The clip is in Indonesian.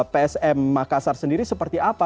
psm makassar sendiri seperti apa